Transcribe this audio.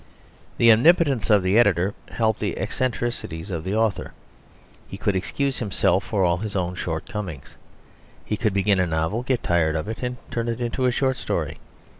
The omnipotence of the editor helped the eccentricities of the author. He could excuse himself for all his own shortcomings. He could begin a novel, get tired of it, and turn it into a short story.